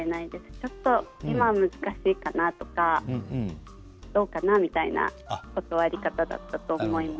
今はちょっと難しいかなとかどうかなみたいな断り方だったと思います。